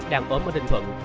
đang ốm ở ninh thuận